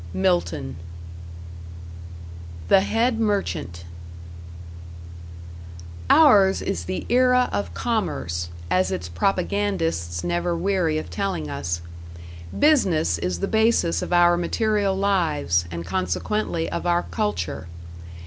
Milton. #The Head Merchant# Ours is the era of commerce, as its propagandists never weary of telling us. Business is the basis of our material lives, and consequently of our culture.